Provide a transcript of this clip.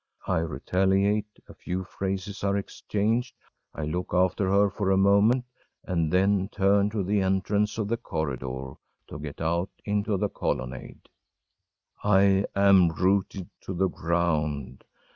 I retaliate a few phrases are exchanged I look after her for a moment and then turn to the entrance of the corridor, to get out into the colonnade. I am rooted to the ground!